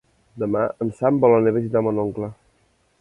Demà en Sam vol anar a visitar mon oncle.